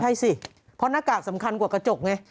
ใช่สิเพราะหน้ากากสำคัญกว่ากระจกไง